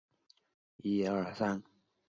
岩藿香为唇形科黄芩属下的一个种。